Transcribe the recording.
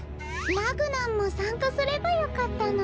ラグナんも参加すればよかったの。